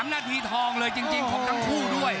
นาทีทองเลยจริงของทั้งคู่ด้วย